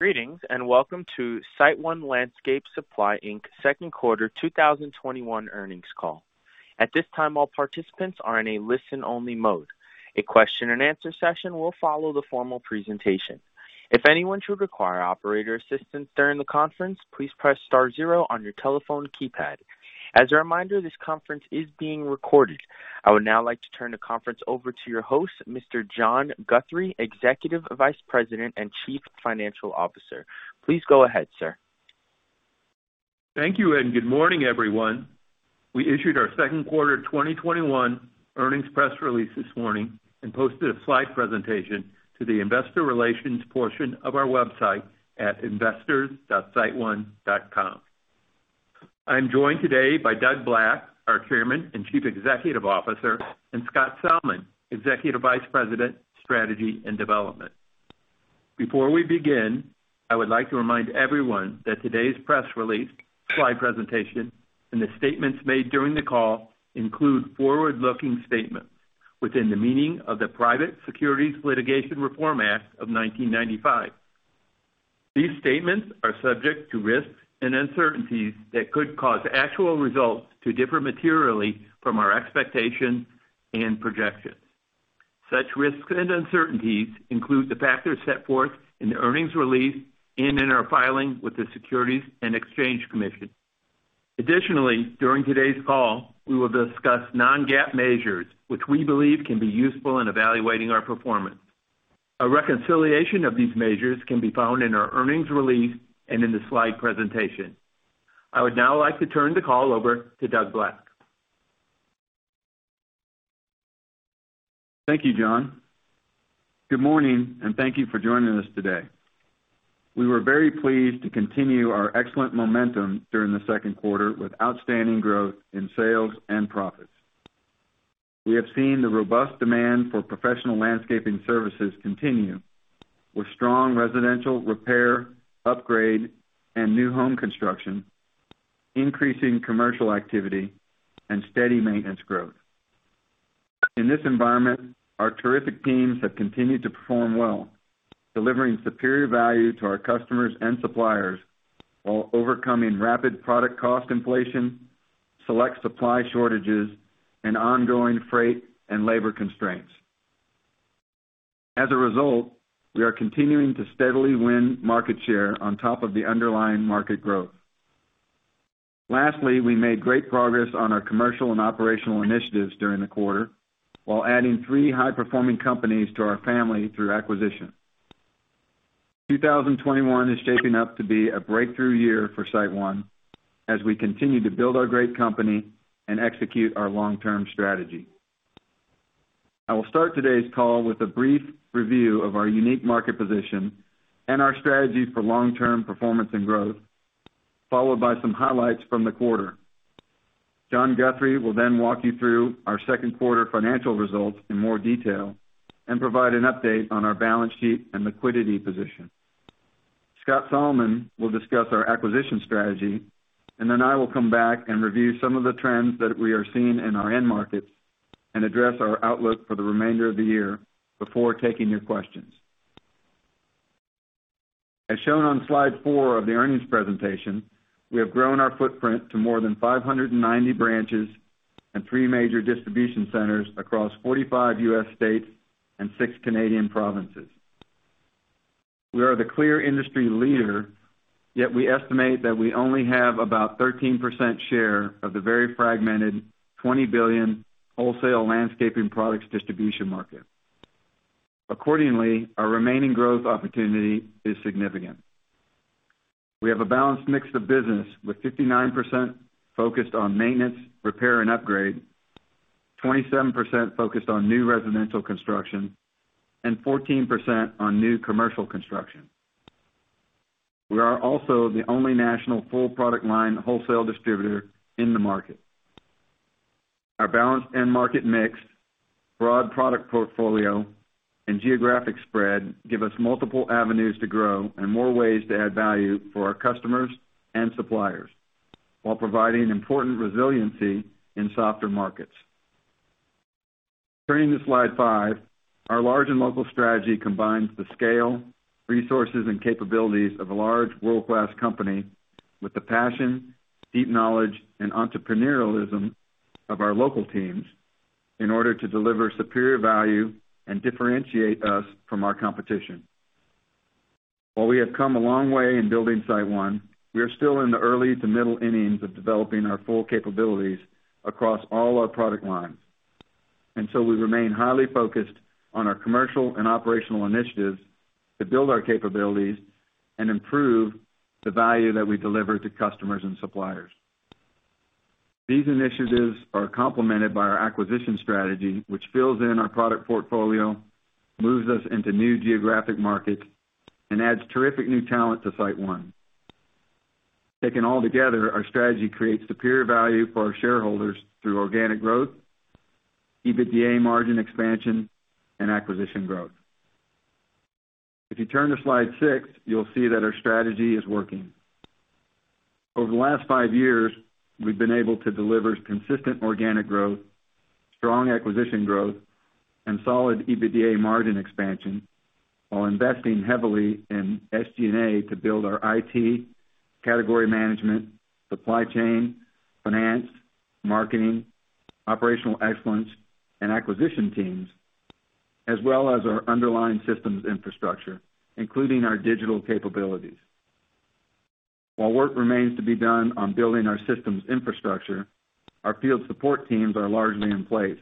Greetings, and welcome to SiteOne Landscape Supply Inc's Q2 2021 earnings call. At this time, all participants are in a listen-only mode. A question-and-answer session will follow the formal presentation. If anyone should require operator assistance during the conference please press star zero on your telephone keypad. As a reminder, this conference is being recorded. I would now like to turn the conference over to your host, Mr. John Guthrie, Executive Vice President and Chief Financial Officer. Please go ahead, sir. Thank you, and good morning, everyone. We issued our second quarter 2021 earnings press release this morning and posted a slide presentation to the investor relations portion of our website at investors.siteone.com. I'm joined today by Doug Black, our Chairman and Chief Executive Officer, and Scott Salmon, Executive Vice President of Strategy and Development. Before we begin, I would like to remind everyone that today's press release, slide presentation, and the statements made during the call include forward-looking statements within the meaning of the Private Securities Litigation Reform Act of 1995. These statements are subject to risks and uncertainties that could cause actual results to differ materially from our expectations and projections. Such risks and uncertainties include the factors set forth in the earnings release and in our filing with the Securities and Exchange Commission. Additionally, during today's call, we will discuss non-GAAP measures which we believe can be useful in evaluating our performance. A reconciliation of these measures can be found in our earnings release and in the slide presentation. I would now like to turn the call over to Doug Black. Thank you, John. Good morning, and thank you for joining us today. We were very pleased to continue our excellent momentum during the second quarter with outstanding growth in sales and profits. We have seen the robust demand for professional landscaping services continue with strong residential repair, upgrade, and new home construction, increasing commercial activity, and steady maintenance growth. In this environment, our terrific teams have continued to perform well, delivering superior value to our customers and suppliers while overcoming rapid product cost inflation, select supply shortages, and ongoing freight and labor constraints. As a result, we are continuing to steadily win market share on top of the underlying market growth. Lastly, we made great progress on our commercial and operational initiatives during the quarter while adding three high-performing companies to our family through acquisition. 2021 is shaping up to be a breakthrough year for SiteOne as we continue to build our great company and execute our long-term strategy. I will start today's call with a brief review of our unique market position and our strategy for long-term performance and growth, followed by some highlights from the quarter. John Guthrie will walk you through our second quarter financial results in more detail and provide an update on our balance sheet and liquidity position. Scott Salmon will discuss our acquisition strategy. I will come back and review some of the trends that we are seeing in our end markets and address our outlook for the remainder of the year before taking your questions. As shown on slide four of the earnings presentation, we have grown our footprint to more than 590 branches and three major distribution centers across 45 U.S. states and six Canadian provinces. We are the clear industry leader, yet we estimate that we only have about 13% share of the very fragmented, $20 billion wholesale landscaping products distribution market. Accordingly, our remaining growth opportunity is significant. We have a balanced mix of business with 59% focused on maintenance, repair, and upgrade, 27% focused on new residential construction, and 14% on new commercial construction. We are also the only national full-product line wholesale distributor in the market. Our balanced end market mix, broad product portfolio, and geographic spread give us multiple avenues to grow and more ways to add value for our customers and suppliers while providing important resiliency in softer markets. Turning to slide five, our large and local strategy combines the scale, resources, and capabilities of a large world-class company with the passion, deep knowledge, and entrepreneurialism of our local teams in order to deliver superior value and differentiate us from our competition. While we have come a long way in building SiteOne, we are still in the early to middle innings of developing our full capabilities across all our product lines. We remain highly focused on our commercial and operational initiatives to build our capabilities and improve the value that we deliver to customers and suppliers. These initiatives are complemented by our acquisition strategy, which fills in our product portfolio, moves us into new geographic markets, and adds terrific new talent to SiteOne. Taken all together, our strategy creates superior value for our shareholders through organic growth, EBITDA margin expansion, and acquisition growth. If you turn to slide six, you'll see that our strategy is working. Over the last five years, we've been able to deliver consistent organic growth, strong acquisition growth, and solid EBITDA margin expansion while investing heavily in SG&A to build our IT, category management, supply chain, finance, marketing, operational excellence, and acquisition teams, as well as our underlying systems infrastructure, including our digital capabilities. While work remains to be done on building our systems infrastructure, our field support teams are largely in place.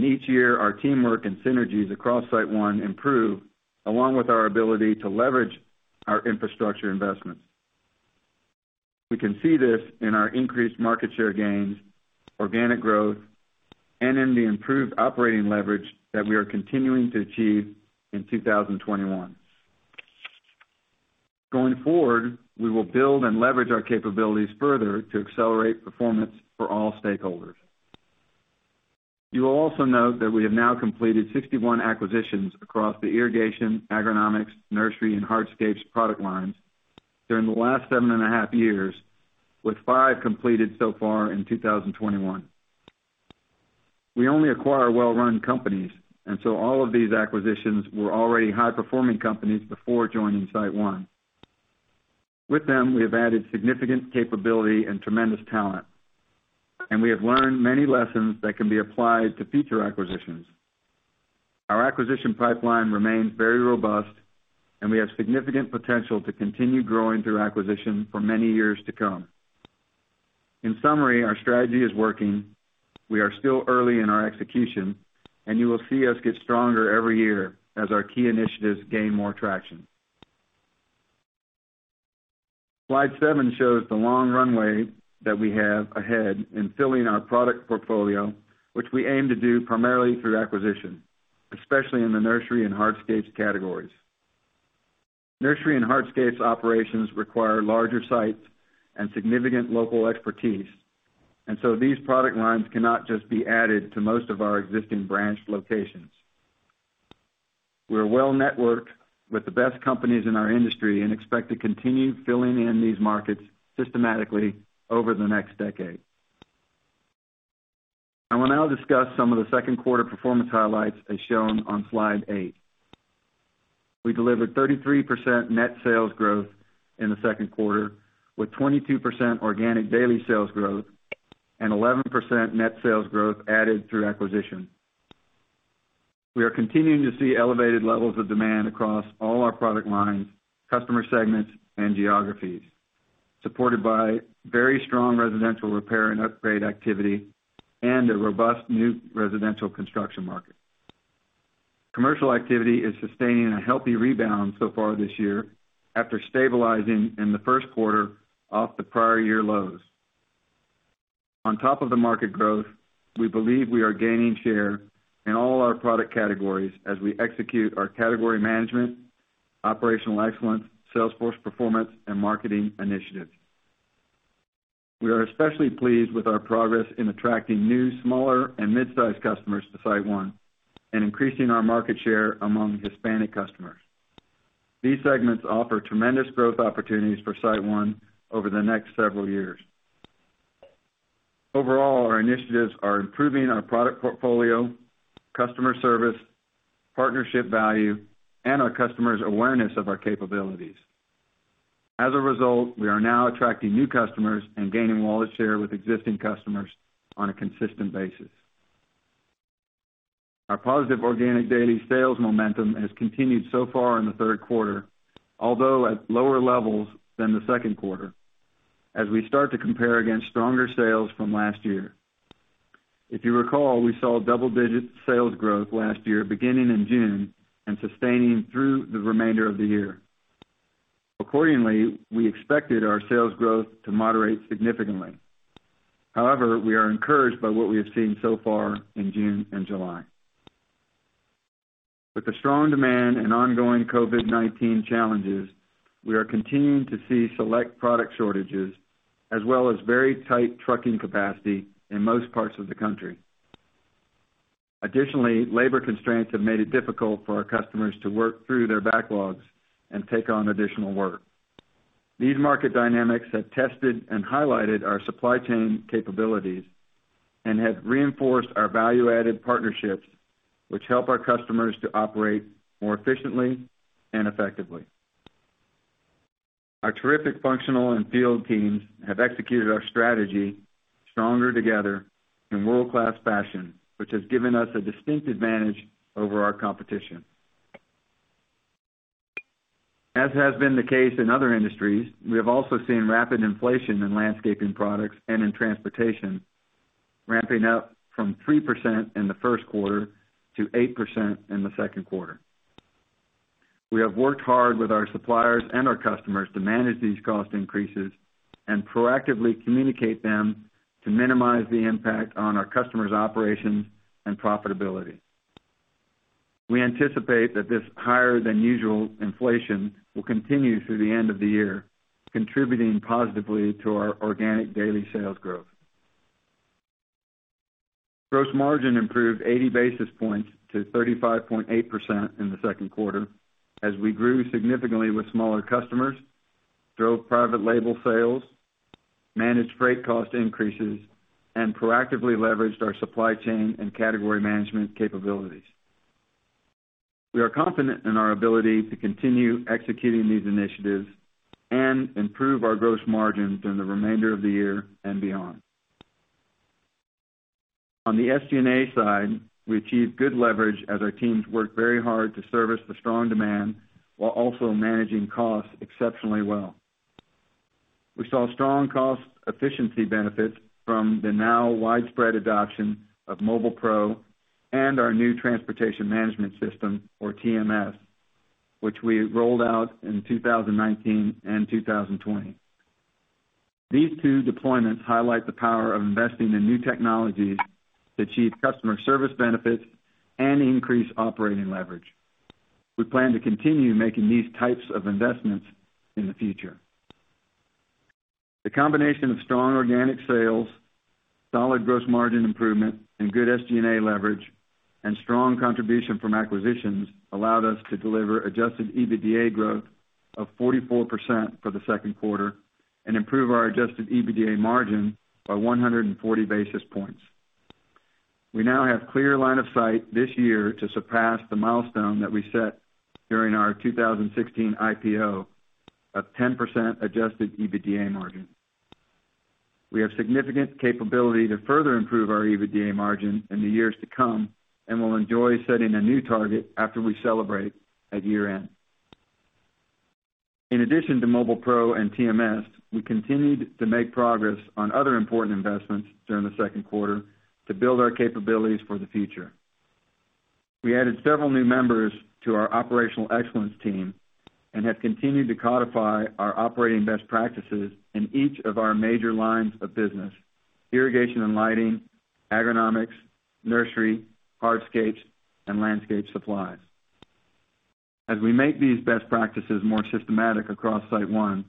Each year, our teamwork and synergies across SiteOne improve, along with our ability to leverage our infrastructure investments. We can see this in our increased market share gains, organic growth, and in the improved operating leverage that we are continuing to achieve in 2021. Going forward, we will build and leverage our capabilities further to accelerate performance for all stakeholders. You will also note that we have now completed 61 acquisitions across the irrigation, agronomics, nursery, and hardscapes product lines during the last seven and a half years, with five completed so far in 2021. We only acquire well-run companies, and so all of these acquisitions were already high-performing companies before joining SiteOne. With them, we have added significant capability and tremendous talent, and we have learned many lessons that can be applied to future acquisitions. Our acquisition pipeline remains very robust, and we have significant potential to continue growing through acquisition for many years to come. In summary, our strategy is working. We are still early in our execution, and you will see us get stronger every year as our key initiatives gain more traction. Slide seven shows the long runway that we have ahead in filling our product portfolio, which we aim to do primarily through acquisition, especially in the nursery and hardscapes categories. Nursery and hardscapes operations require larger sites and significant local expertise, and so these product lines cannot just be added to most of our existing branch locations. We're well-networked with the best companies in our industry and expect to continue filling in these markets systematically over the next decade. I will now discuss some of the second quarter performance highlights, as shown on slide eight. We delivered 33% net sales growth in the second quarter, with 22% organic daily sales growth and 11% net sales growth added through acquisition. We are continuing to see elevated levels of demand across all our product lines, customer segments, and geographies, supported by very strong residential repair and upgrade activity and a robust new residential construction market. Commercial activity is sustaining a healthy rebound so far this year after stabilizing in the first quarter off the prior year lows. On top of the market growth, we believe we are gaining share in all our product categories as we execute our category management, operational excellence, sales force performance, and marketing initiatives. We are especially pleased with our progress in attracting new, smaller, and mid-sized customers to SiteOne and increasing our market share among Hispanic customers. These segments offer tremendous growth opportunities for SiteOne over the next several years. Overall, our initiatives are improving our product portfolio, customer service, partnership value, and our customers' awareness of our capabilities. As a result, we are now attracting new customers and gaining wallet share with existing customers on a consistent basis. Our positive organic daily sales momentum has continued so far in the third quarter, although at lower levels than the second quarter, as we start to compare against stronger sales from last year. If you recall, we saw double-digit sales growth last year beginning in June and sustaining through the remainder of the year. Accordingly, we expected our sales growth to moderate significantly. However, we are encouraged by what we have seen so far in June and July. With the strong demand and ongoing COVID-19 challenges, we are continuing to see select product shortages as well as very tight trucking capacity in most parts of the country. Additionally, labor constraints have made it difficult for our customers to work through their backlogs and take on additional work. These market dynamics have tested and highlighted our supply chain capabilities and have reinforced our value-added partnerships, which help our customers to operate more efficiently and effectively. Our terrific functional and field teams have executed our strategy, stronger together, in world-class fashion, which has given us a distinct advantage over our competition. As has been the case in other industries, we have also seen rapid inflation in landscaping products and in transportation, ramping up from 3% in the first quarter to 8% in the second quarter. We have worked hard with our suppliers and our customers to manage these cost increases and proactively communicate them to minimize the impact on our customers' operations and profitability. We anticipate that this higher than usual inflation will continue through the end of the year, contributing positively to our organic daily sales growth. Gross margin improved 80 basis points to 35.8% in the second quarter as we grew significantly with smaller customers, drove private label sales, managed freight cost increases, and proactively leveraged our supply chain and category management capabilities. We are confident in our ability to continue executing these initiatives and improve our gross margins in the remainder of the year and beyond. On the SG&A side, we achieved good leverage as our teams worked very hard to service the strong demand while also managing costs exceptionally well. We saw strong cost efficiency benefits from the now widespread adoption of Mobile PRO and our new transportation management system or TMS, which we rolled out in 2019 and 2020. These two deployments highlight the power of investing in new technologies to achieve customer service benefits and increase operating leverage. We plan to continue making these types of investments in the future. The combination of strong organic sales, solid gross margin improvement and good SG&A leverage, and strong contribution from acquisitions allowed us to deliver adjusted EBITDA growth of 44% for the second quarter and improve our adjusted EBITDA margin by 140 basis points. We now have clear line of sight this year to surpass the milestone that we set during our 2016 IPO of 10% adjusted EBITDA margin. We have significant capability to further improve our EBITDA margin in the years to come and will enjoy setting a new target after we celebrate at year-end. In addition to Mobile PRO and TMS, we continued to make progress on other important investments during the second quarter to build our capabilities for the future. We added several new members to our operational excellence team and have continued to codify our operating best practices in each of our major lines of business, irrigation and lighting, agronomics, nursery, hardscapes, and landscape supplies. As we make these best practices more systematic across SiteOne,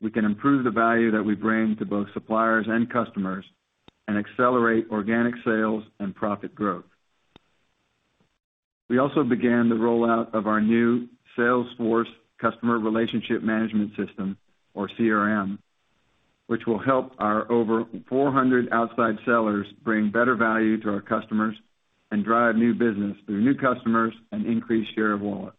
we can improve the value that we bring to both suppliers and customers and accelerate organic sales and profit growth. We also began the rollout of our new Salesforce customer relationship management system or CRM, which will help our over 400 outside sellers bring better value to our customers and drive new business through new customers and increase share of wallet.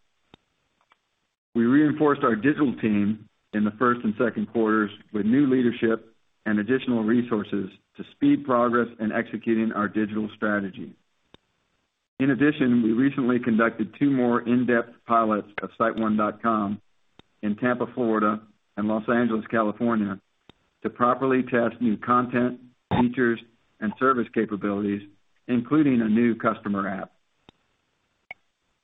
We reinforced our digital team in the first and second quarters with new leadership and additional resources to speed progress in executing our digital strategy. In addition, we recently conducted two more in-depth pilots of SiteOne.com in Tampa, Florida and Los Angeles, California, to properly test new content, features, and service capabilities, including a new customer app.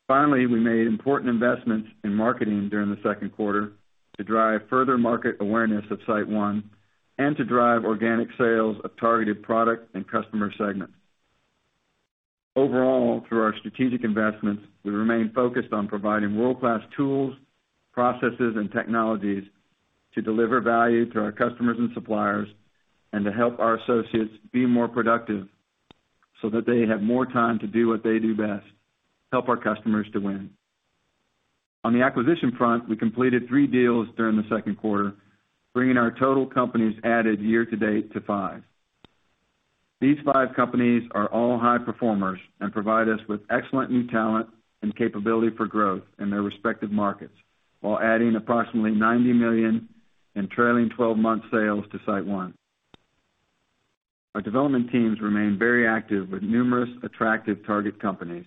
Finally, we made important investments in marketing during the second quarter to drive further market awareness of SiteOne and to drive organic sales of targeted product and customer segments. Overall, through our strategic investments, we remain focused on providing world-class tools, processes, and technologies to deliver value to our customers and suppliers, and to help our associates be more productive so that they have more time to do what they do best, help our customers to win. On the acquisition front, we completed three deals during the second quarter, bringing our total companies added year to date to five. These five companies are all high performers and provide us with excellent new talent and capability for growth in their respective markets, while adding approximately $90 million in trailing 12 months sales to SiteOne. Our development teams remain very active with numerous attractive target companies,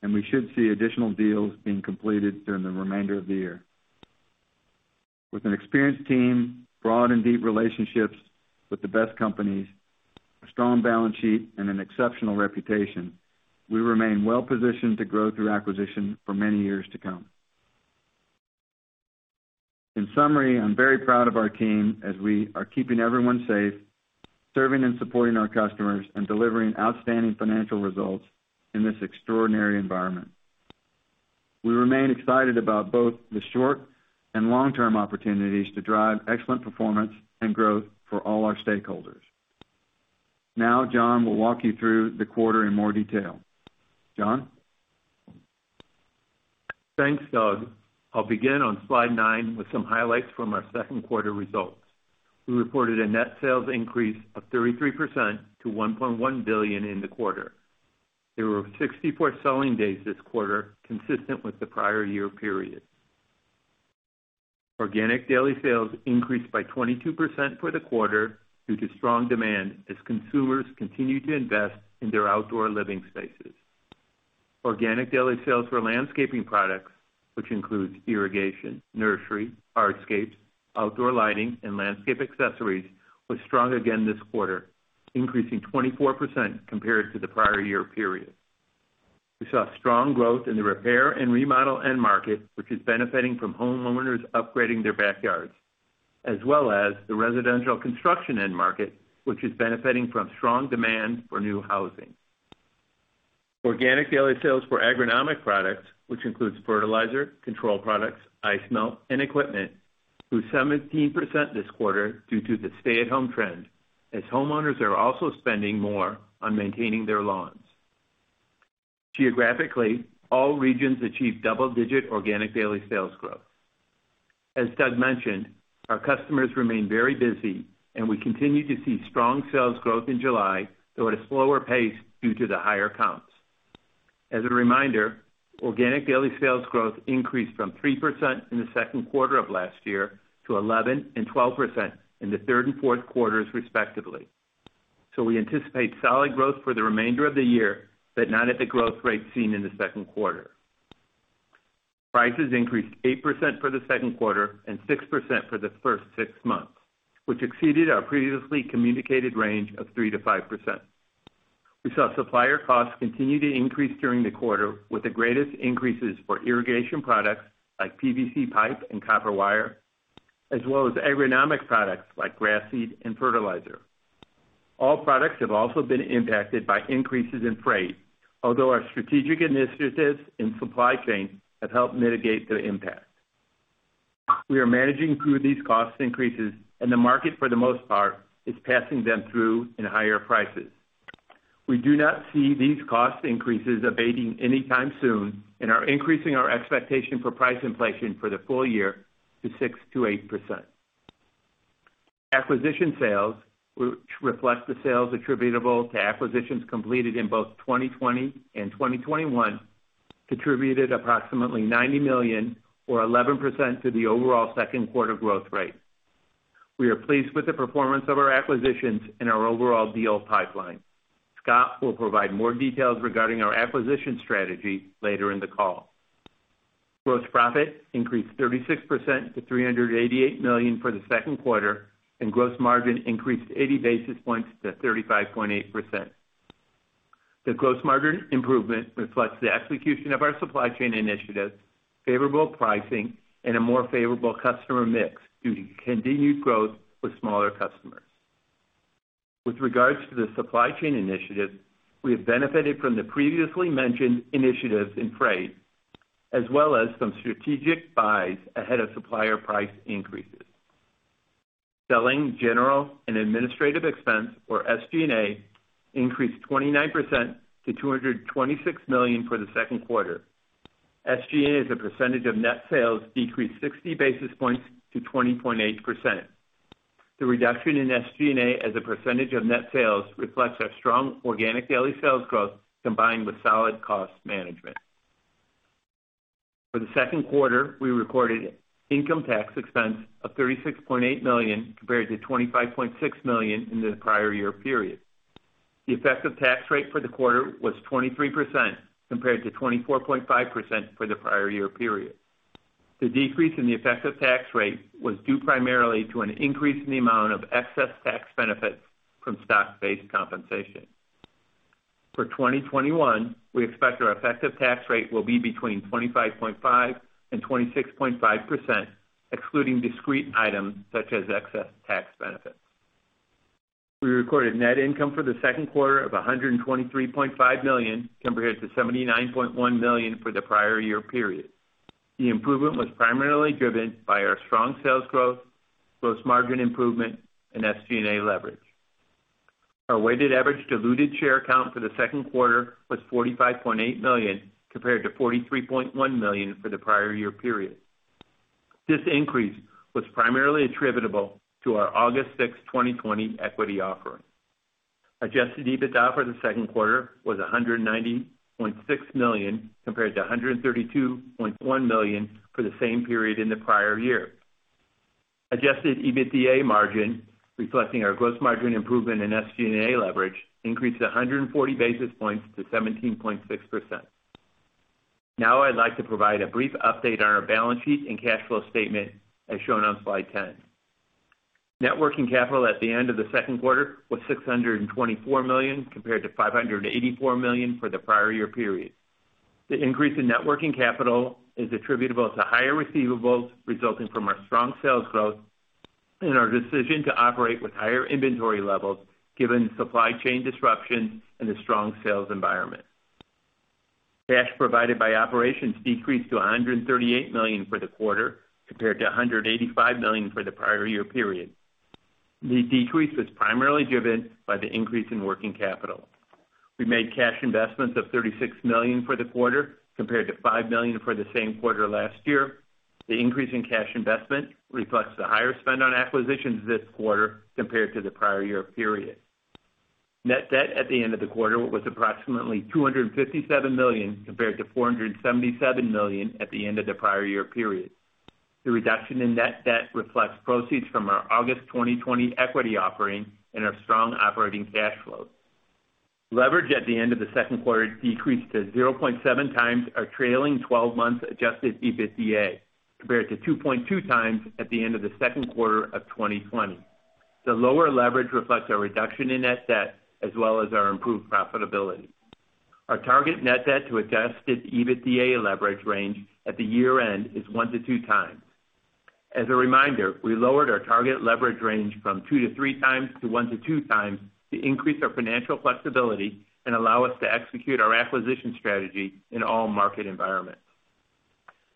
and we should see additional deals being completed during the remainder of the year. With an experienced team, broad and deep relationships with the best companies, a strong balance sheet, and an exceptional reputation, we remain well positioned to grow through acquisition for many years to come. In summary, I'm very proud of our team as we are keeping everyone safe, serving and supporting our customers, and delivering outstanding financial results in this extraordinary environment. We remain excited about both the short and long-term opportunities to drive excellent performance and growth for all our stakeholders. John will walk you through the quarter in more detail. John? Thanks, Doug. I'll begin on slide nine with some highlights from our second quarter results. We reported a net sales increase of 33% to $1.1 billion in the quarter. There were 64 selling days this quarter, consistent with the prior year period. Organic daily sales increased by 22% for the quarter due to strong demand as consumers continued to invest in their outdoor living spaces. Organic daily sales for landscaping products, which includes irrigation, nursery, hardscapes, outdoor lighting, and landscape accessories, was strong again this quarter, increasing 24% compared to the prior year period. We saw strong growth in the repair and remodel end market, which is benefiting from homeowners upgrading their backyards, as well as the residential construction end market, which is benefiting from strong demand for new housing. Organic daily sales for agronomic products, which includes fertilizer, control products, ice melt, and equipment, grew 17% this quarter due to the stay-at-home trend, as homeowners are also spending more on maintaining their lawns. Geographically, all regions achieved double-digit organic daily sales growth. As Doug mentioned, our customers remain very busy, and we continue to see strong sales growth in July, though at a slower pace due to the higher comps. As a reminder, organic daily sales growth increased from 3% in the second quarter of last year to 11% and 12% in the third and fourth quarters respectively. We anticipate solid growth for the remainder of the year, but not at the growth rates seen in the second quarter. Prices increased 8% for the second quarter and 6% for the first six months, which exceeded our previously communicated range of 3%-5%. We saw supplier costs continue to increase during the quarter with the greatest increases for irrigation products like PVC pipe and copper wire, as well as agronomic products like grass seed and fertilizer. All products have also been impacted by increases in freight, although our strategic initiatives in supply chain have helped mitigate the impact. We are managing through these cost increases, and the market, for the most part, is passing them through in higher prices. We do not see these cost increases abating anytime soon and are increasing our expectation for price inflation for the full year to 6%-8%. Acquisition sales, which reflect the sales attributable to acquisitions completed in both 2020 and 2021, contributed approximately $90 million or 11% to the overall second quarter growth rate. We are pleased with the performance of our acquisitions and our overall deal pipeline. Scott will provide more details regarding our acquisition strategy later in the call. Gross profit increased 36% to $388 million for the second quarter, and gross margin increased 80 basis points to 35.8%. The gross margin improvement reflects the execution of our supply chain initiatives, favorable pricing, and a more favorable customer mix due to continued growth with smaller customers. With regards to the supply chain initiatives, we have benefited from the previously mentioned initiatives in freight, as well as some strategic buys ahead of supplier price increases. Selling, general, and administrative expense, or SG&A, increased 29% to $226 million for the second quarter. SG&A as a percentage of net sales decreased 60 basis points to 20.8%. The reduction in SG&A as a percentage of net sales reflects our strong organic daily sales growth, combined with solid cost management. For the second quarter, we recorded income tax expense of $36.8 million, compared to $25.6 million in the prior year period. The effective tax rate for the quarter was 23%, compared to 24.5% for the prior year period. The decrease in the effective tax rate was due primarily to an increase in the amount of excess tax benefits from stock-based compensation. For 2021, we expect our effective tax rate will be between 25.5% and 26.5%, excluding discrete items such as excess tax benefits. We recorded net income for the second quarter of $123.5 million, compared to $79.1 million for the prior year period. The improvement was primarily driven by our strong sales growth, gross margin improvement, and SG&A leverage. Our weighted average diluted share count for the second quarter was $45.8 million, compared to $43.1 million for the prior year period. This increase was primarily attributable to our August 6, 2020, equity offering. Adjusted EBITDA for the second quarter was $190.6 million compared to $132.1 million for the same period in the prior year. Adjusted EBITDA margin, reflecting our gross margin improvement and SG&A leverage, increased 140 basis points to 17.6%. Now I'd like to provide a brief update on our balance sheet and cash flow statement as shown on slide 10. Net working capital at the end of the second quarter was $624 million, compared to $584 million for the prior year period. The increase in net working capital is attributable to higher receivables resulting from our strong sales growth and our decision to operate with higher inventory levels given supply chain disruptions and the strong sales environment. Cash provided by operations decreased to $138 million for the quarter compared to $185 million for the prior year period. The decrease was primarily driven by the increase in working capital. We made cash investments of $36 million for the quarter compared to $5 million for the same quarter last year. The increase in cash investment reflects the higher spend on acquisitions this quarter compared to the prior year period. Net debt at the end of the quarter was approximately $257 million compared to $477 million at the end of the prior year period. The reduction in net debt reflects proceeds from our August 2020 equity offering and our strong operating cash flow. Leverage at the end of the second quarter decreased to 0.7 times our trailing 12-month adjusted EBITDA, compared to 2.2 times at the end of the second quarter of 2020. The lower leverage reflects our reduction in net debt as well as our improved profitability. Our target net debt to adjusted EBITDA leverage range at the year-end is one-two times. As a reminder, we lowered our target leverage range from two-three times to one-two times to increase our financial flexibility and allow us to execute our acquisition strategy in all market environments.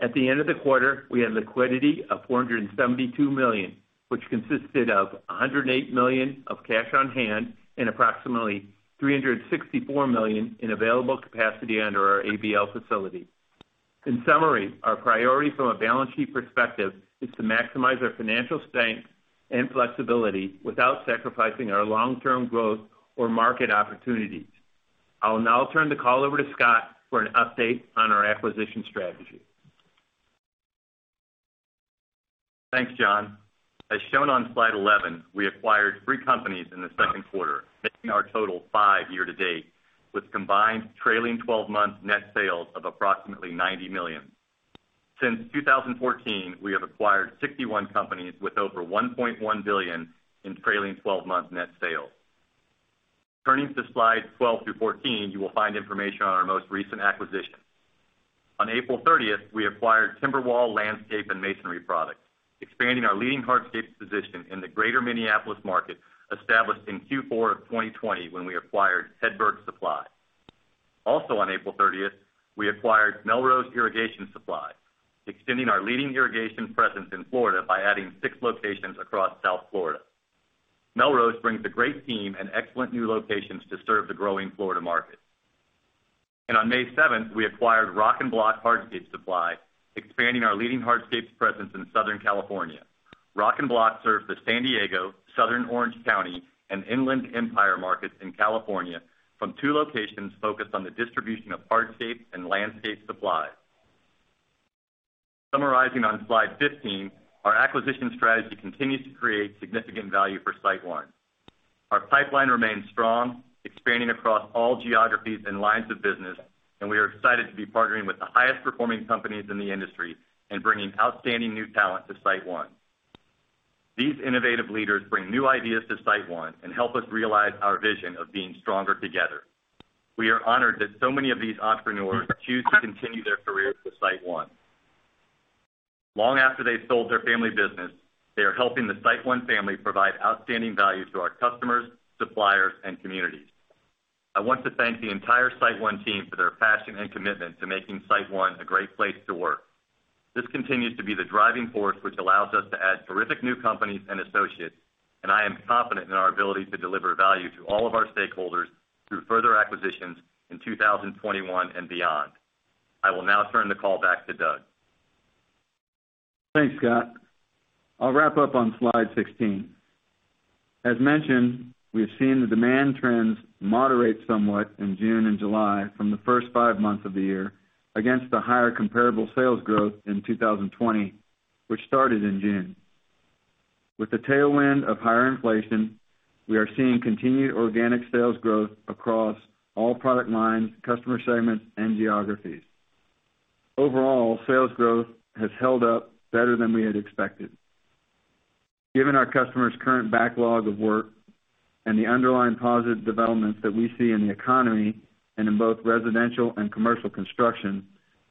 At the end of the quarter, we had liquidity of $472 million, which consisted of $108 million of cash on hand and approximately $364 million in available capacity under our ABL facility. In summary, our priority from a balance sheet perspective is to maximize our financial strength and flexibility without sacrificing our long-term growth or market opportunities. I'll now turn the call over to Scott for an update on our acquisition strategy. Thanks, John. As shown on slide 11, we acquired three companies in the second quarter, making our total five year to date, with combined trailing 12 months net sales of approximately $90 million. Since 2014, we have acquired 61 companies with over $1.1 billion in trailing 12 months net sales. Turning to slide 12 through 14, you will find information on our most recent acquisitions. On April 30th, we acquired Timberwall Landscape & Masonry Products, expanding our leading hardscapes position in the greater Minneapolis market established in Q4 of 2020 when we acquired Hedberg Supply. Also on April 30th, we acquired Melrose Irrigation Supply and Sales, extending our leading irrigation presence in Florida by adding 6 locations across South Florida. Melrose brings a great team and excellent new locations to serve the growing Florida market. On May 7th, we acquired Rock and Block Hardscape Supply, expanding our leading hardscapes presence in Southern California. Rock and Block serves the San Diego, Southern Orange County, and Inland Empire markets in California from two locations focused on the distribution of hardscape and landscape supplies. Summarizing on slide 15, our acquisition strategy continues to create significant value for SiteOne. Our pipeline remains strong, expanding across all geographies and lines of business, and we are excited to be partnering with the highest-performing companies in the industry and bringing outstanding new talent to SiteOne. These innovative leaders bring new ideas to SiteOne and help us realize our vision of being stronger together. We are honored that so many of these entrepreneurs choose to continue their careers with SiteOne. Long after they've sold their family business, they are helping the SiteOne family provide outstanding value to our customers, suppliers, and communities. I want to thank the entire SiteOne team for their passion and commitment to making SiteOne a great place to work. This continues to be the driving force which allows us to add terrific new companies and associates, and I am confident in our ability to deliver value to all of our stakeholders through further acquisitions in 2021 and beyond. I will now turn the call back to Doug. Thanks, Scott. I'll wrap up on slide 16. As mentioned, we have seen the demand trends moderate somewhat in June and July from the first five months of the year against the higher comparable sales growth in 2020, which started in June. With the tailwind of higher inflation, we are seeing continued organic sales growth across all product lines, customer segments, and geographies. Overall, sales growth has held up better than we had expected. Given our customers' current backlog of work and the underlying positive developments that we see in the economy and in both residential and commercial construction,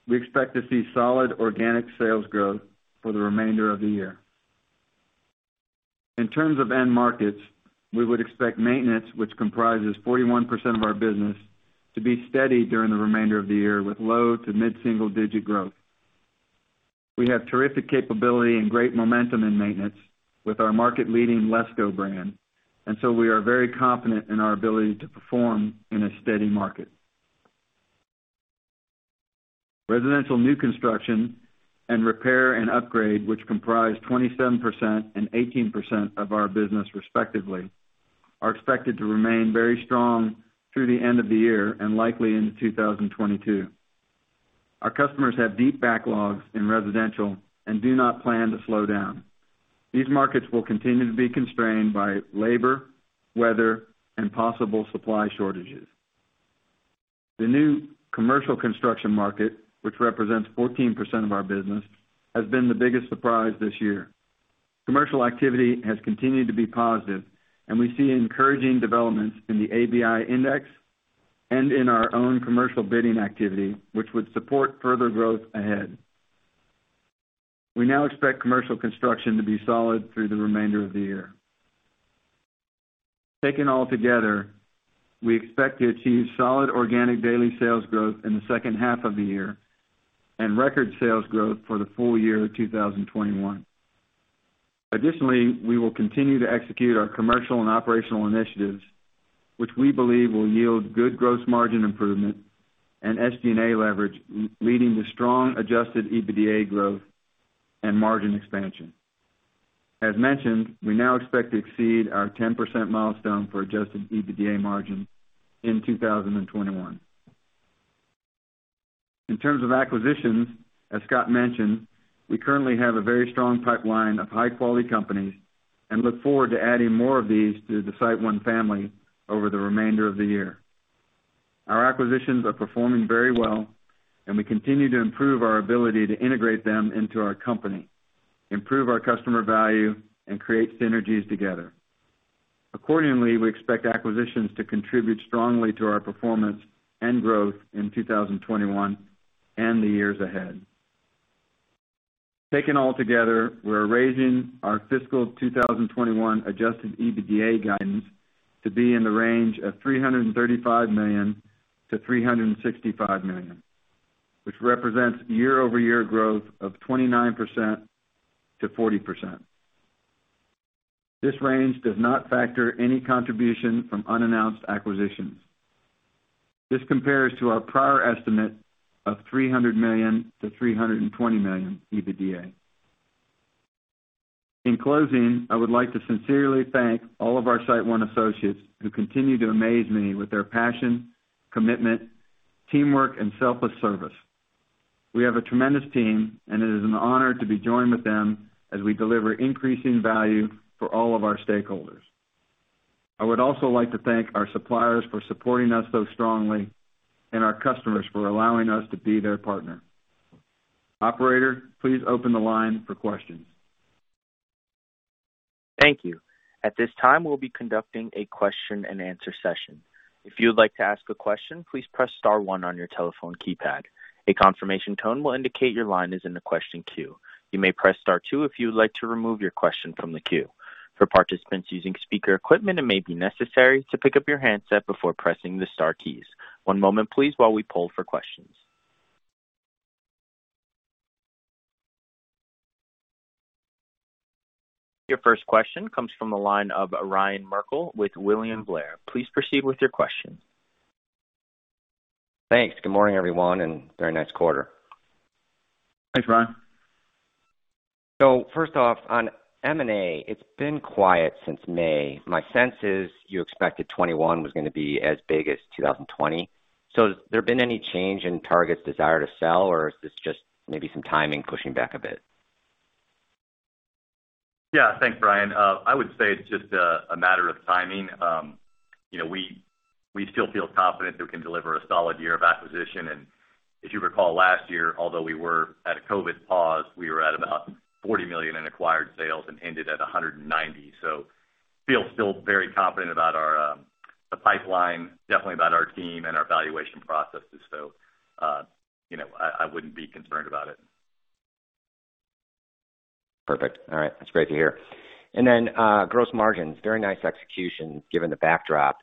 we expect to see solid organic sales growth for the remainder of the year. In terms of end markets, we would expect maintenance, which comprises 41% of our business, to be steady during the remainder of the year with low to mid-single digit growth. We have terrific capability and great momentum in maintenance with our market-leading LESCO brand, and so we are very confident in our ability to perform in a steady market. Residential new construction and repair and upgrade, which comprise 27% and 18% of our business respectively, are expected to remain very strong through the end of the year and likely into 2022. Our customers have deep backlogs in residential and do not plan to slow down. These markets will continue to be constrained by labor, weather, and possible supply shortages. The new commercial construction market, which represents 14% of our business, has been the biggest surprise this year. Commercial activity has continued to be positive, and we see encouraging developments in the ABI index and in our own commercial bidding activity, which would support further growth ahead. We now expect commercial construction to be solid through the remainder of the year. Taken all together, we expect to achieve solid organic daily sales growth in the second half of the year and record sales growth for the full year 2021. Additionally, we will continue to execute our commercial and operational initiatives, which we believe will yield good gross margin improvement and SG&A leverage, leading to strong adjusted EBITDA growth and margin expansion. As mentioned, we now expect to exceed our 10% milestone for adjusted EBITDA margin in 2021. In terms of acquisitions, as Scott mentioned, we currently have a very strong pipeline of high-quality companies and look forward to adding more of these to the SiteOne family over the remainder of the year. Our acquisitions are performing very well and we continue to improve our ability to integrate them into our company, improve our customer value, and create synergies together. Accordingly, we expect acquisitions to contribute strongly to our performance and growth in 2021 and the years ahead. Taken all together, we're raising our fiscal 2021 adjusted EBITDA guidance to be in the range of $335 million-$365 million, which represents year-over-year growth of 29%-40%. This range does not factor any contribution from unannounced acquisitions. This compares to our prior estimate of $300 million-$320 million EBITDA. In closing, I would like to sincerely thank all of our SiteOne associates who continue to amaze me with their passion, commitment, teamwork, and selfless service. We have a tremendous team. It is an honor to be joined with them as we deliver increasing value for all of our stakeholders. I would also like to thank our suppliers for supporting us so strongly and our customers for allowing us to be their partner. Operator, please open the line for questions. Thank you. At this time, we'll be conducting a question-and-answer session. If you would like to ask a question, please press star one on your telephone keypad. A confirmation tone will indicate your line is in the question queue. You may press star two if you would like to remove your question from the queue. For participants using speaker equipment, it may be necessary to pick up your handset before pressing the star keys. One moment please, while we poll for questions. Your first question comes from the line of Ryan Merkel with William Blair. Please proceed with your question. Thanks. Good morning, everyone, and very nice quarter. Thanks, Ryan. First off on M&A, it's been quiet since May. My sense is you expected 2021 was going to be as big as 2020. Has there been any change in targets' desire to sell or is this just maybe some timing pushing back a bit? Yeah, thanks, Ryan. I would say it's just a matter of timing. We still feel confident that we can deliver a solid year of acquisition. If you recall last year, although we were at a COVID pause, we were at about $40 million in acquired sales and ended at $190 million. Feel still very confident about the pipeline, definitely about our team and our valuation processes. I wouldn't be concerned about it. Perfect. All right. That's great to hear. Gross margins, very nice execution given the backdrop.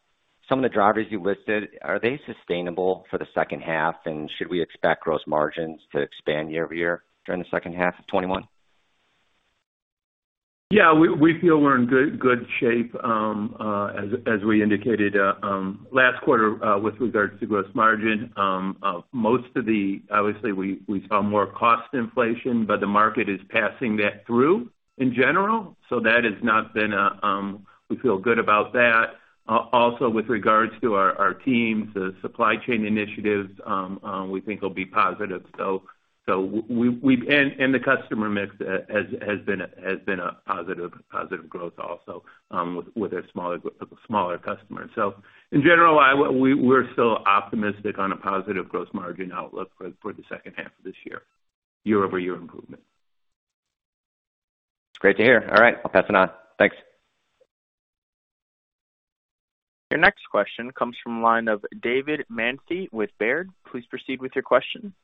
Some of the drivers you listed, are they sustainable for the second half? Should we expect gross margins to expand year-over-year during the second half of 2021? Yeah. We feel we're in good shape. As we indicated last quarter with regards to gross margin. Obviously, we saw more cost inflation, the market is passing that through in general. We feel good about that. Also, with regards to our teams, the supply chain initiatives, we think will be positive. The customer mix has been a positive growth also with the smaller customers. In general, we're still optimistic on a positive gross margin outlook for the second half of this year-over-year improvement. It's great to hear. All right, I'll pass it on. Thanks. Your next question comes from the line of David Manthey with Baird. Please proceed with your question.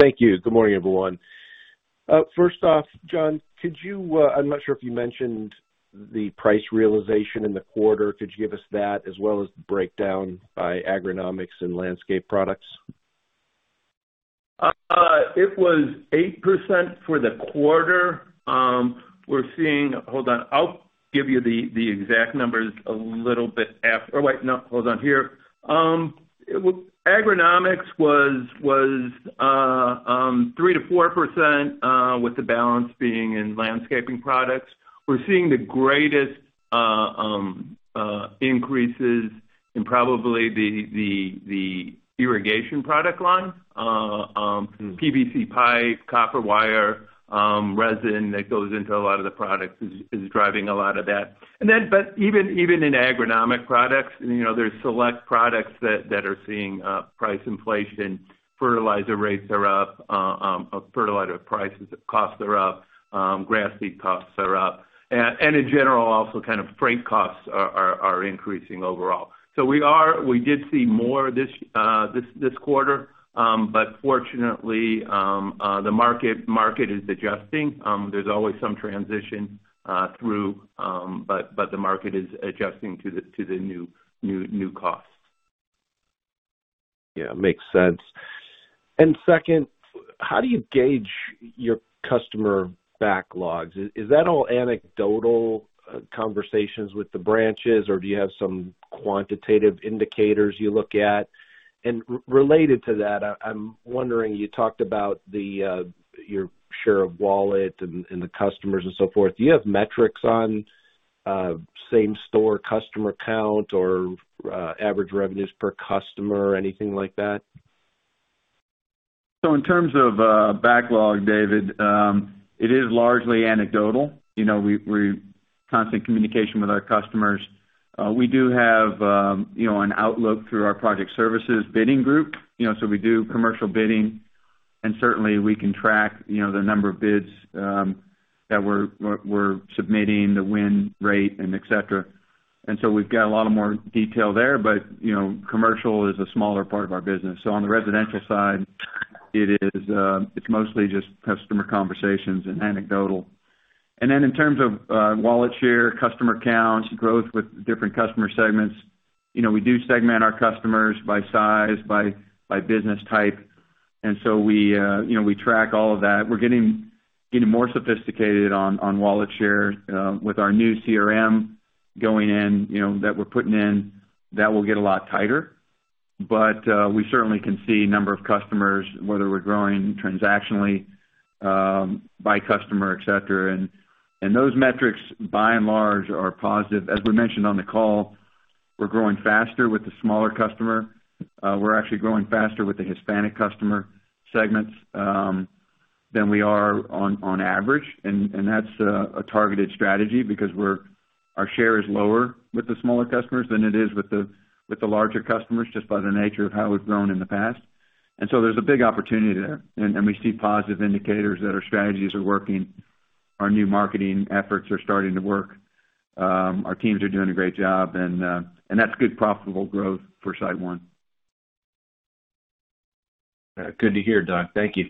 Thank you. Good morning, everyone. First off, John, I'm not sure if you mentioned the price realization in the quarter. Could you give us that as well as the breakdown by agronomics and landscape products? It was 8% for the quarter. Hold on. I'll give you the exact numbers. Hold on. Here. agronomics was 3%-4% with the balance being in landscaping products. We're seeing the greatest increases in probably the irrigation product line. PVC pipe, copper wire, resin that goes into a lot of the products is driving a lot of that. Even in agronomic products, there's select products that are seeing price inflation. Fertilizer rates are up. Fertilizer prices costs are up. Grass seed costs are up. In general, also kind of freight costs are increasing overall. We did see more this quarter. Fortunately, the market is adjusting. There's always some transition through, but the market is adjusting to the new costs. Yeah, makes sense. Second, how do you gauge your customer backlogs? Is that all anecdotal conversations with the branches or do you have some quantitative indicators you look at? Related to that, I'm wondering, you talked about your share of wallet and the customers and so forth. Do you have metrics on same store customer count or average revenues per customer or anything like that? In terms of backlog, David, it is largely anecdotal. We're constant communication with our customers. We do have an outlook through our project services bidding group. We do commercial bidding. Certainly, we can track the number of bids that we're submitting, the win rate, and et cetera. So we've got a lot more detail there. Commercial is a smaller part of our business. On the residential side, it's mostly just customer conversations and anecdotal. Then in terms of wallet share, customer counts, growth with different customer segments, we do segment our customers by size, by business type. So we track all of that. We're getting more sophisticated on wallet share with our new CRM going in, that we're putting in. That will get a lot tighter. We certainly can see number of customers, whether we're growing transactionally by customer, et cetera. Those metrics, by and large, are positive. As we mentioned on the call, we're growing faster with the smaller customer. We're actually growing faster with the Hispanic customer segments than we are on average. That's a targeted strategy because our share is lower with the smaller customers than it is with the larger customers, just by the nature of how we've grown in the past. There's a big opportunity there. We see positive indicators that our strategies are working. Our new marketing efforts are starting to work. Our teams are doing a great job, and that's good profitable growth for SiteOne. Good to hear, Doug. Thank you.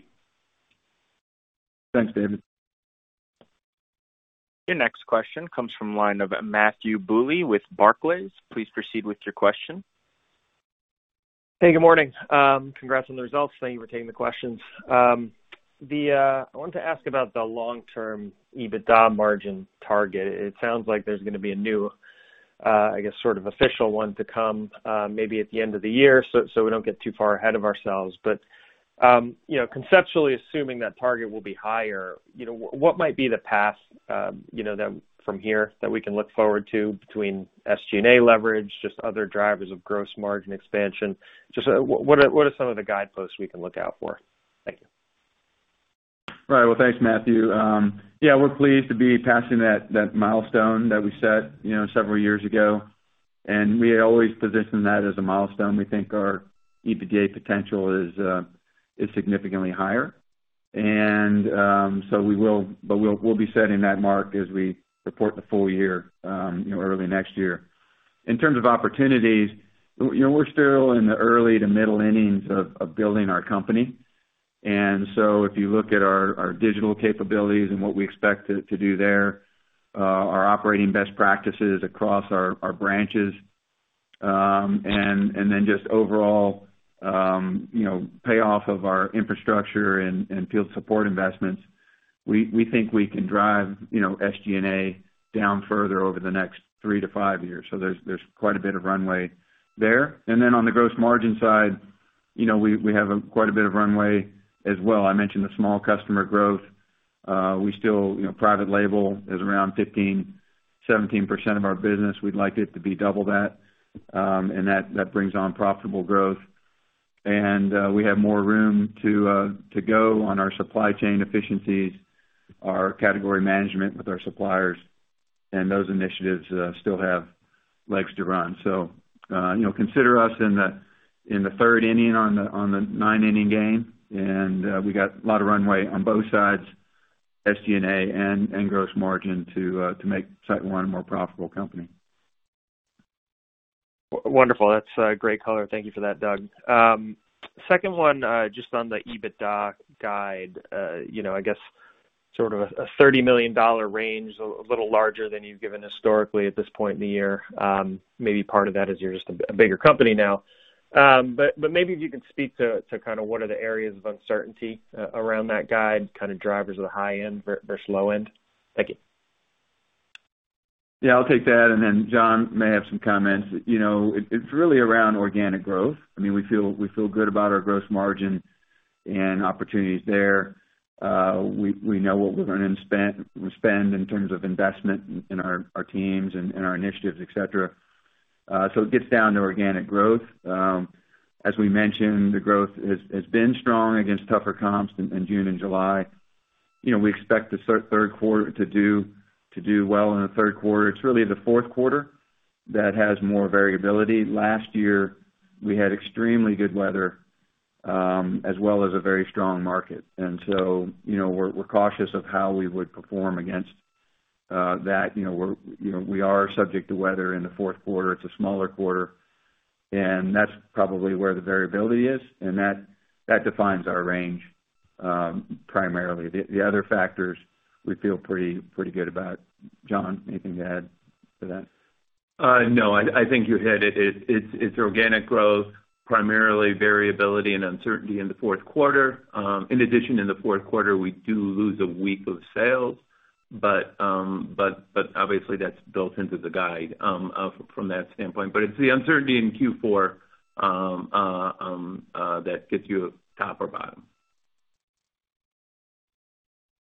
Thanks, David. Your next question comes from the line of Matthew Bouley with Barclays. Please proceed with your question. Hey, good morning. Congrats on the results. Thank you for taking the questions. I wanted to ask about the long-term EBITDA margin target. It sounds like there's going to be a new, I guess, sort of official one to come, maybe at the end of the year, so we don't get too far ahead of ourselves. Conceptually, assuming that target will be higher, what might be the path from here that we can look forward to between SG&A leverage, just other drivers of gross margin expansion? Just what are some of the guideposts we can look out for? Thank you. Right. Well, thanks, Matthew. Yeah, we're pleased to be passing that milestone that we set several years ago, and we always position that as a milestone. We think our EBITDA potential is significantly higher. We'll be setting that mark as we report the full year early next year. In terms of opportunities, we're still in the early to middle innings of building our company. If you look at our digital capabilities and what we expect to do there, our operating best practices across our branches, and then just overall payoff of our infrastructure and field support investments, we think we can drive SG&A down further over the next three-five years. There's quite a bit of runway there. On the gross margin side, we have quite a bit of runway as well. I mentioned the small customer growth. Private label is around 15%-17% of our business. We'd like it to be double that. That brings on profitable growth. We have more room to go on our supply chain efficiencies, our category management with our suppliers, and those initiatives still have legs to run. Consider us in the third inning on the nine-inning game, and we got a lot of runway on both sides, SG&A and gross margin, to make SiteOne a more profitable company. Wonderful. That's a great color. Thank you for that, Doug. Second one, just on the EBITDA guide. I guess sort of a $30 million range, a little larger than you've given historically at this point in the year. Maybe part of that is you're just a bigger company now. Maybe if you could speak to kind of what are the areas of uncertainty around that guide, kind of drivers of the high end versus low end. Thank you. Yeah, I'll take that, and then John may have some comments. It's really around organic growth. We feel good about our gross margin and opportunities there. We know what we're going to spend in terms of investment in our teams and our initiatives, et cetera. It gets down to organic growth. As we mentioned, the growth has been strong against tougher comps in June and July. We expect to do well in the third quarter. It's really the fourth quarter that has more variability. Last year, we had extremely good weather, as well as a very strong market. We're cautious of how we would perform against that. We are subject to weather in the fourth quarter. It's a smaller quarter, and that's probably where the variability is, and that defines our range, primarily. The other factors we feel pretty good about. John, anything to add to that? No, I think you hit it. It's organic growth, primarily variability and uncertainty in the fourth quarter. In addition, in the fourth quarter, we do lose a week of sales. Obviously, that's built into the guide from that standpoint. It's the uncertainty in Q4 that gets you top or bottom.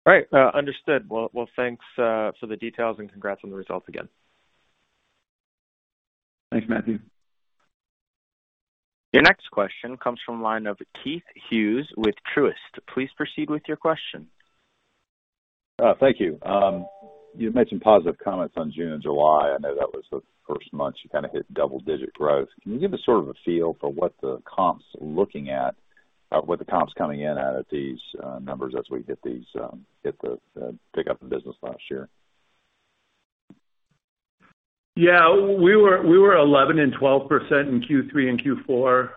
All right. Understood. Well, thanks for the details and congrats on the results again. Thanks, Matthew. Your next question comes from the line of Keith Hughes with Truist. Please proceed with your question. Thank you. You've mentioned positive comments on June and July. I know that was the first month you kind of hit double-digit growth. Can you give us sort of a feel for what the comps looking at, what the comps coming in out of these numbers as we pick up the business last year? Yeah. We were 11% and 12% in Q3 and Q4.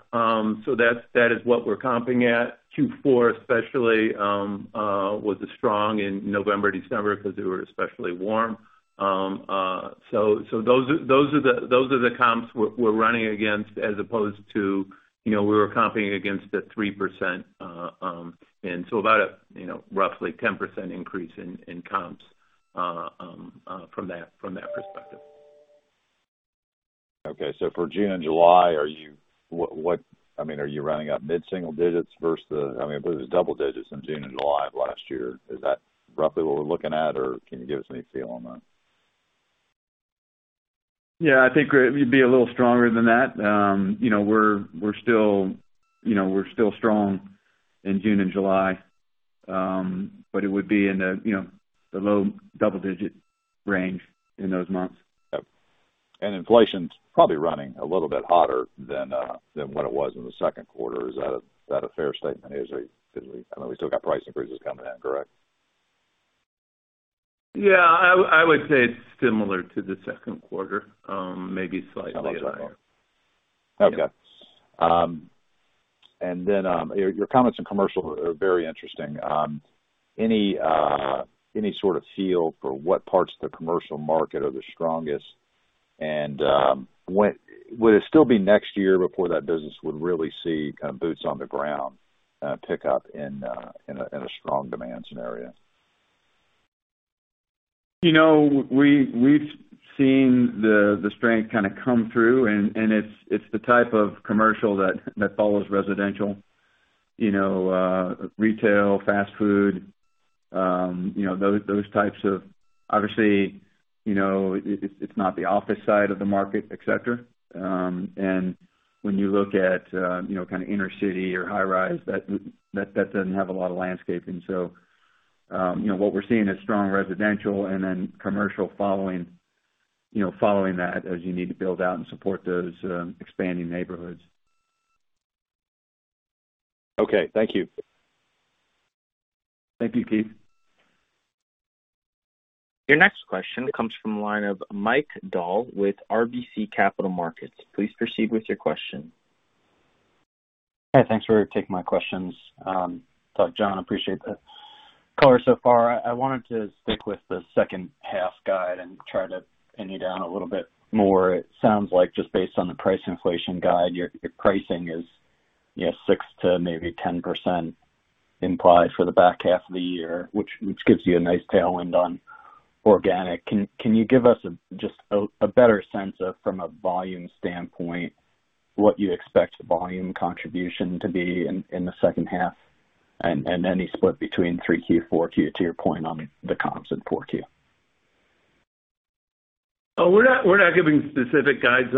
That is what we're comping at. Q4 especially was strong in November, December because they were especially warm. Those are the comps we're running against as opposed to we were comping against a 3%. About roughly 10% increase in comps from that perspective. Okay. For June and July, are you running up mid-single digits versus the, I believe it was double digits in June and July of last year? Is that roughly what we're looking at or can you give us any feel on that? Yeah, I think it'd be a little stronger than that. We're still strong in June and July. It would be in the low double-digit range in those months. Yep. Inflation's probably running a little bit hotter than what it was in the second quarter. Is that a fair statement? I mean, we still got price increases coming in, correct? Yeah. I would say it's similar to the second quarter. Maybe slightly higher. Okay. Your comments on commercial are very interesting. Any sort of feel for what parts of the commercial market are the strongest? Would it still be next year before that business would really see kind of boots on the ground pick up in a strong demand scenario? We've seen the strength kind of come through, and it's the type of commercial that follows residential. Retail, fast food, those types. Obviously, it's not the office side of the market, et cetera. When you look at kind of inner city or high-rise, that doesn't have a lot of landscaping. What we're seeing is strong residential and then commercial following that as you need to build out and support those expanding neighborhoods. Okay. Thank you. Thank you, Keith. Your next question comes from the line of Mike Dahl with RBC Capital Markets. Please proceed with your question. Hi. Thanks for taking my questions. John, appreciate the color so far. I wanted to stick with the second half guide and try to pin you down a little bit more. It sounds like just based on the price inflation guide, your pricing is 6%-10% implied for the back half of the year, which gives you a nice tailwind on organic. Can you give us just a better sense of, from a volume standpoint, what you expect volume contribution to be in the second half? Any split between 3Q, 4Q to your point on the comps in 4Q. Oh, we're not giving specific guides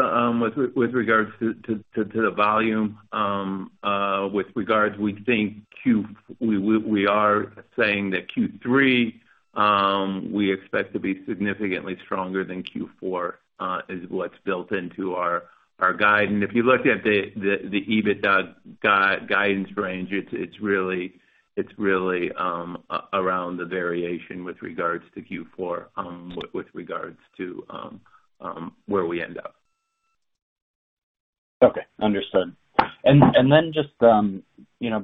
with regards to the volume. We are saying that Q3, we expect to be significantly stronger than Q4, is what's built into our guide. If you look at the EBITDA guidance range, it's really around the variation with regards to Q4 with regards to where we end up. Okay. Understood. Then just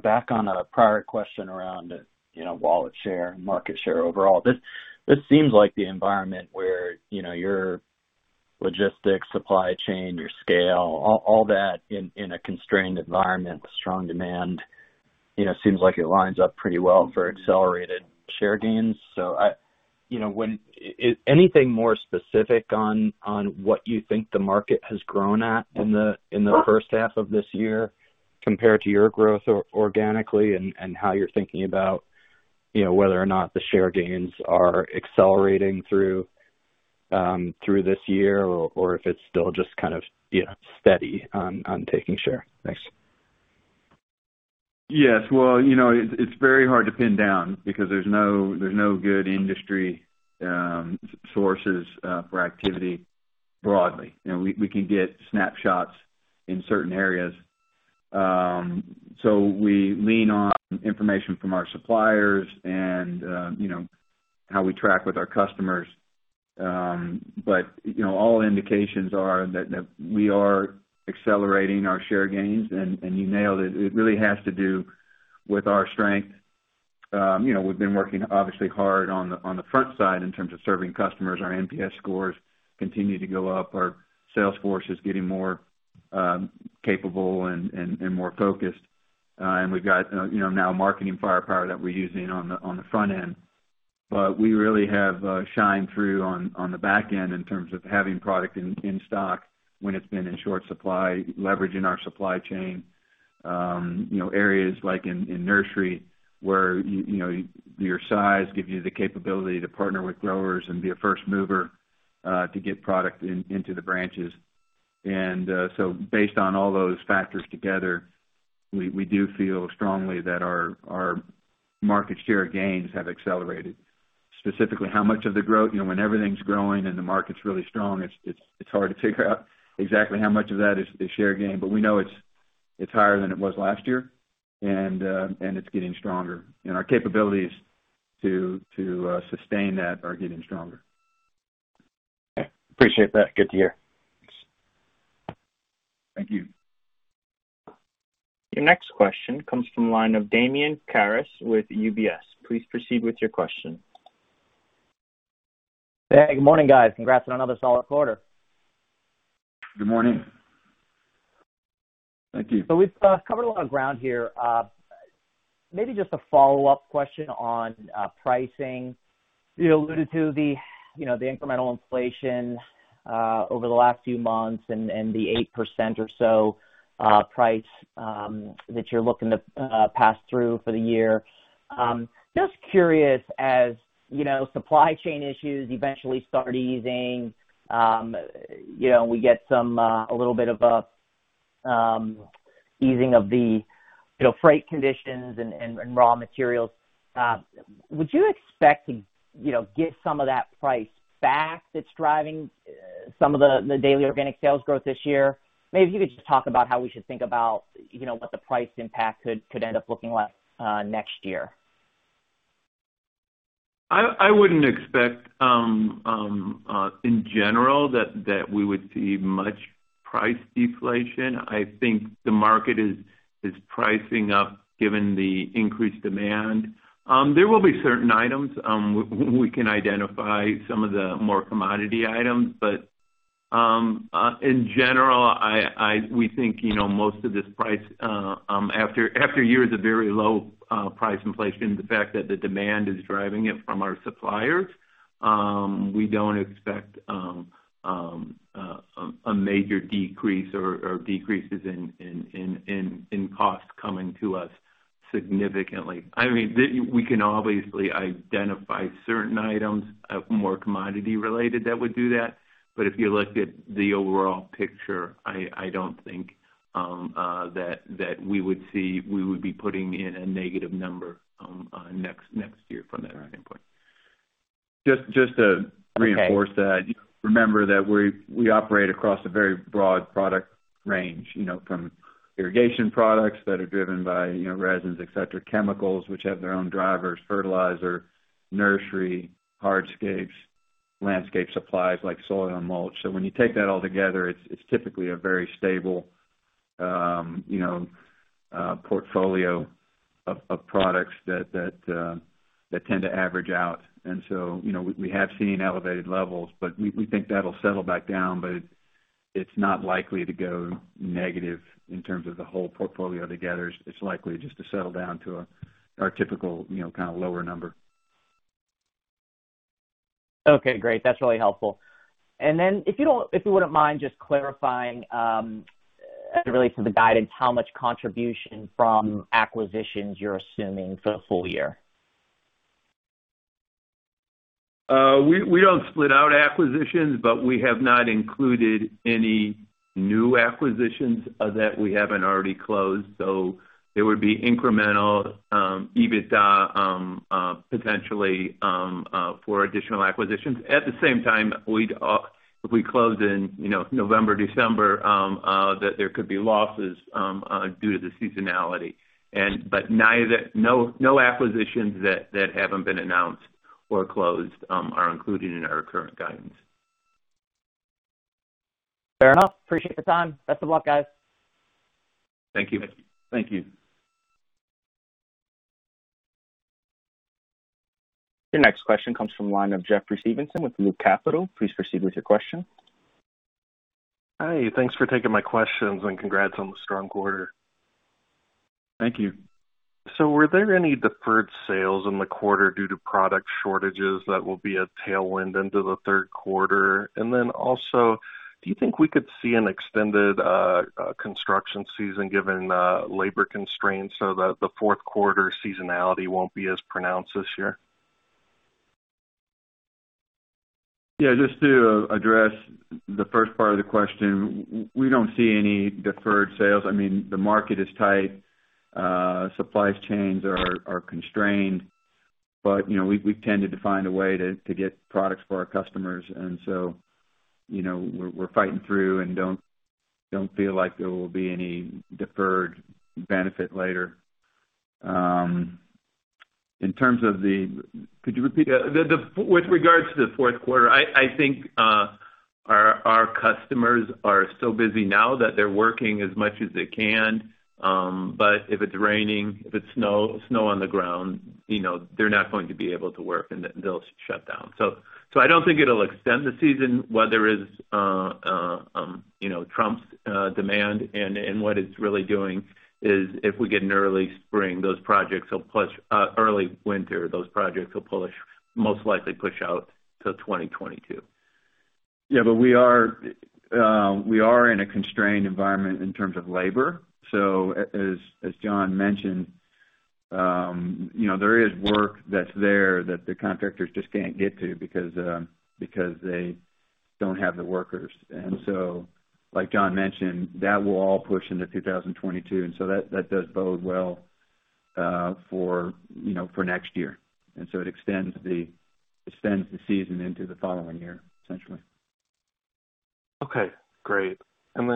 back on a prior question around wallet share and market share overall. This seems like the environment where your logistics supply chain, your scale, all that in a constrained environment with strong demand seems like it lines up pretty well for accelerated share gains. Anything more specific on what you think the market has grown at in the first half of this year compared to your growth organically and how you're thinking about whether or not the share gains are accelerating through this year or if it's still just kind of steady on taking share? Thanks. Yes. Well, it's very hard to pin down because there's no good industry sources for activity broadly. We can get snapshots in certain areas. We lean on information from our suppliers and how we track with our customers. All indications are that we are accelerating our share gains, and you nailed it. It really has to do with our strength. We've been working obviously hard on the front side in terms of serving customers. Our NPS scores continue to go up. Our sales force is getting more capable and more focused. We've got now marketing firepower that we're using on the front end. We really have shined through on the back end in terms of having product in stock when it's been in short supply, leveraging our supply chain. Areas like in nursery where your size gives you the capability to partner with growers and be a first mover to get product into the branches. Based on all those factors together, we do feel strongly that our market share gains have accelerated. Specifically, how much of the growth, when everything's growing and the market's really strong, it's hard to figure out exactly how much of that is share gain. We know it's higher than it was last year, and it's getting stronger, and our capabilities to sustain that are getting stronger. Okay. Appreciate that. Good to hear. Thanks. Thank you. Your next question comes from the line of Damian Karas with UBS. Please proceed with your question. Hey, good morning, guys. Congrats on another solid quarter. Good morning. Thank you. We've covered a lot of ground here. Maybe just a follow-up question on pricing. You alluded to the incremental inflation over the last few months and the 8% or so price that you're looking to pass through for the year. Just curious, as supply chain issues eventually start easing, we get a little bit of a easing of the freight conditions and raw materials. Would you expect to get some of that price back that's driving some of the daily organic sales growth this year? Maybe if you could just talk about how we should think about what the price impact could end up looking like next year. I wouldn't expect, in general, that we would see much price deflation. I think the market is pricing up given the increased demand. There will be certain items. We can identify some of the more commodity items. In general, we think most of this price after years of very low price inflation, the fact that the demand is driving it from our suppliers, we don't expect a major decrease or decreases in cost coming to us significantly. We can obviously identify certain items, more commodity-related, that would do that. If you looked at the overall picture, I don't think that we would be putting in a negative number next year from that standpoint. Just to reinforce that, remember that we operate across a very broad product range. From irrigation products that are driven by resins, etc., chemicals which have their own drivers, fertilizer, nursery, hardscapes, landscape supplies like soil and mulch. When you take that all together, it's typically a very stable portfolio of products that tend to average out. We have seen elevated levels, but we think that'll settle back down. It's not likely to go negative in terms of the whole portfolio together. It's likely just to settle down to our typical lower number. Okay, great. That's really helpful. If you wouldn't mind just clarifying, as it relates to the guidance, how much contribution from acquisitions you're assuming for the full year? We don't split out acquisitions, but we have not included any new acquisitions that we haven't already closed. There would be incremental EBITDA, potentially, for additional acquisitions. At the same time, if we closed in November, December, that there could be losses due to the seasonality. No acquisitions that haven't been announced or closed are included in our current guidance. Fair enough. Appreciate the time. Best of luck, guys. Thank you. Thank you. Your next question comes from the line of Jeffrey Stevenson with Loop Capital. Please proceed with your question. Hi, thanks for taking my questions, and congrats on the strong quarter. Thank you. Were there any deferred sales in the quarter due to product shortages that will be a tailwind into the third quarter? Do you think we could see an extended construction season given labor constraints so that the fourth quarter seasonality won't be as pronounced this year? Yeah, just to address the first part of the question, we don't see any deferred sales. The market is tight. Supply chains are constrained. We've tended to find a way to get products for our customers. We're fighting through and don't feel like there will be any deferred benefit later. In terms of, could you repeat? With regards to the fourth quarter, I think our customers are so busy now that they're working as much as they can. If it's raining, if it's snow on the ground, they're not going to be able to work and they'll shut down. I don't think it'll extend the season. Weather trumps demand, and what it's really doing is if we get an early spring, early winter, those projects will most likely push out to 2022. Yeah, we are in a constrained environment in terms of labor. As John mentioned, there is work that's there that the contractors just can't get to because they don't have the workers. Like John mentioned, that will all push into 2022, and so that does bode well for next year. It extends the season into the following year, essentially. Okay, great.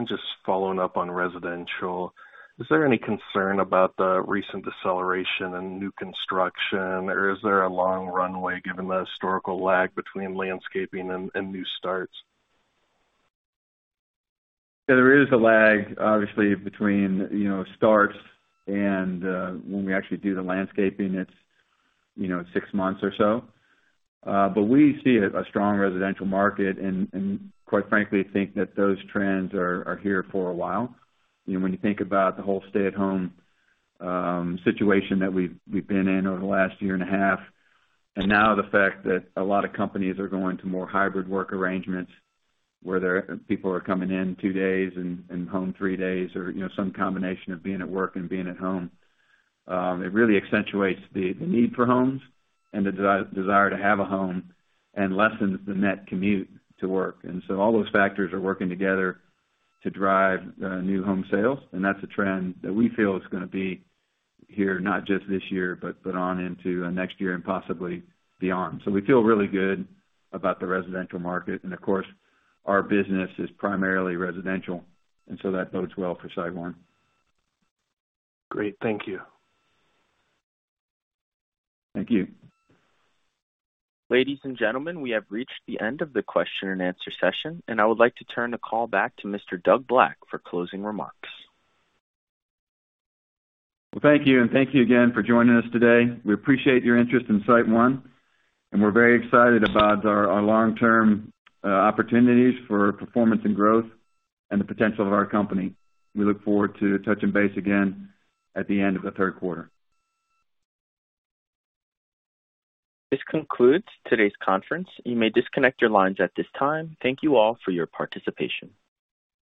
Just following up on residential, is there any concern about the recent deceleration in new construction? Is there a long runway given the historical lag between landscaping and new starts? There is a lag, obviously, between starts and when we actually do the landscaping. It's six months or so. We see a strong residential market and, quite frankly, think that those trends are here for a while. When you think about the whole stay-at-home situation that we've been in over the last year and a half, and now the fact that a lot of companies are going to more hybrid work arrangements, where people are coming in two days and home three days, or some combination of being at work and being at home. It really accentuates the need for homes and the desire to have a home and lessens the net commute to work. All those factors are working together to drive new home sales, and that's a trend that we feel is going to be here not just this year, but on into next year and possibly beyond. We feel really good about the residential market. Of course, our business is primarily residential, and so that bodes well for SiteOne. Great. Thank you. Thank you. Ladies and gentlemen, we have reached the end of the question and answer session, and I would like to turn the call back to Mr. Doug Black for closing remarks. Well, thank you, and thank you again for joining us today. We appreciate your interest in SiteOne, and we're very excited about our long-term opportunities for performance and growth and the potential of our company. We look forward to touching base again at the end of the third quarter. This concludes today's conference. You may disconnect your lines at this time. Thank you all for your participation.